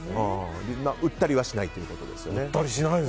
売ったりはしないということですよね。